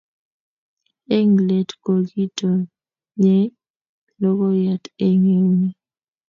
Eng leet kokitonyei logoyat eng eunnyi